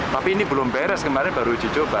tapi ini belum beres kemarin baru dicoba